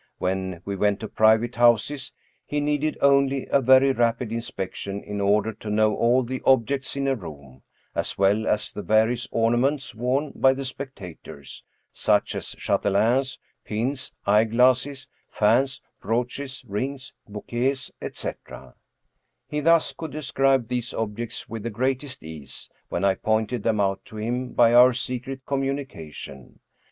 When we went to private houses, he needed only a very rapid inspection in order to know all the objects in a room, as well as the various ornaments worn by the spectators, such as chatelaines, pins, eyeglasses, fans, brooches, rings, bouquets, etc. He thus could describe these objects with the greatest ease, when I pointed them out to him by our secret communication.